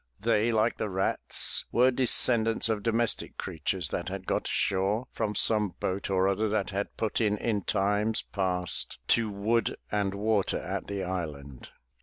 They, like the rats, were descendants of domestic creatures that had got ashore from some boat or other that had put in in times past to wood and water at the island.